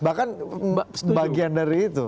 bahkan bagian dari itu